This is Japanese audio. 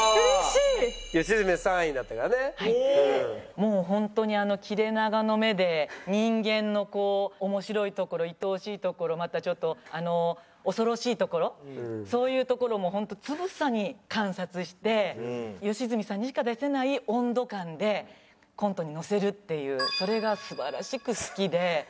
もうホントに切れ長の目で人間のこう面白いところいとおしいところまたちょっとあの恐ろしいところそういうところをもうホントつぶさに観察して吉住さんにしか出せない温度感でコントにのせるっていうそれが素晴らしく好きで。